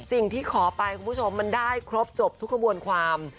สิ่งที่ขอไปคุณผู้ชมมันได้ครบจบทุกกระบวนความ